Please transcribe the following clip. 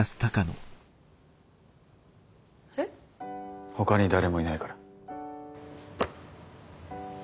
えっ？ほかに誰もいないから。